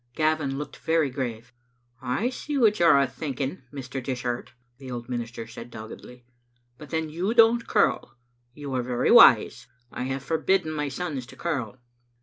Gavin looked very grave. "I see what you are thinking, Mr. Dishart," the old minister said doggedly; "but then, you don't curl. You are very wise. I have forbidden my sons to curl."